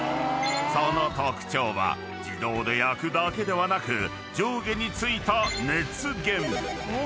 ［その特徴は自動で焼くだけではなく上下に付いた熱源］